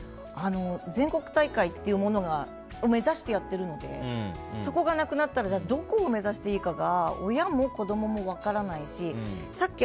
全国大会っていうものを目指してやっているのでそこがなくなったら、じゃあどこを目指してやったらいいか親も子供も分からないしさっき